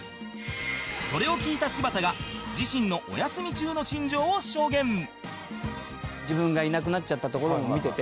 それを聞いた柴田が自身の自分がいなくなっちゃったところも見てて。